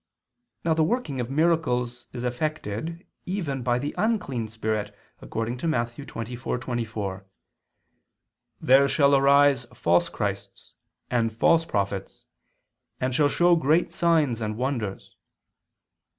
Now the working of miracles is effected even by the unclean spirit, according to Matt. 24:24, "There shall arise false Christs and false prophets, and shall show great signs and wonders."